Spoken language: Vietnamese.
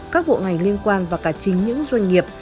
các bộ ngành liên quan và cả chính những doanh nghiệp